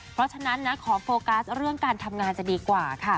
เพราะฉะนั้นนะขอโฟกัสเรื่องการทำงานจะดีกว่าค่ะ